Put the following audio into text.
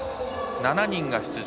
７人が出場。